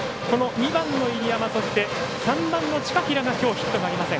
２番の入山、そして３番の近平がきょう、ヒットがありません。